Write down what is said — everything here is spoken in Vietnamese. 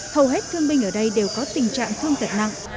hầu hết thương binh ở đây đều có tình trạng thương tật nặng